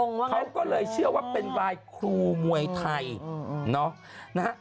เขาก็เลยเชื่อว่าเป็นลายครูมวยไทย